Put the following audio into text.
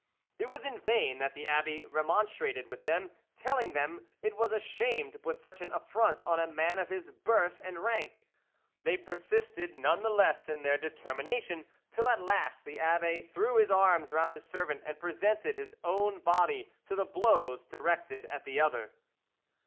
It was in vain that the abbe remonstrated with them, telling them it was a shame to put such an affront on a man of his birth and rank; they persisted none the less in their determination, till at last the abbe threw his arms round his servant and presented his own body to the blows directed at the other."